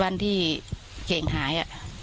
วันที่เก่งหาย